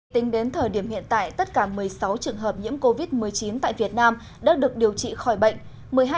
tính đến thời điểm hiện tại tất cả một mươi sáu trường hợp nhiễm covid một mươi chín tại việt nam đã được điều trị khỏi bệnh